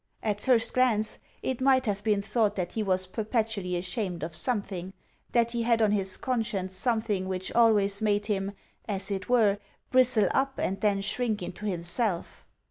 At first glance it might have been thought that he was perpetually ashamed of something that he had on his conscience something which always made him, as it were, bristle up and then shrink into himself.